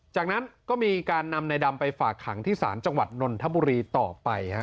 จากนั้นก็มีการนำในดำไปฝากขังที่ศาลจังหวัดนนทบุรีต่อไป